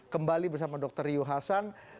kembali bersama dr riu hasan